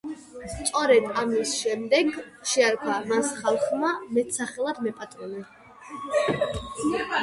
სწორედ ამის შემდეგ შეარქვა მას ხალხმა მეტსახელად „მეპატრონე“.